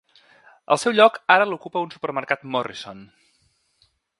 El seu lloc ara l'ocupa un supermercat Morrison.